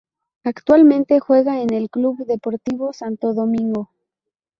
Actualmente juega en el Club Deportivo Santo Domingo.